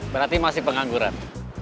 berarti masih pengangguran